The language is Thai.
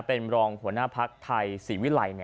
เป็นรองหัวหน้าภักษ์ไทย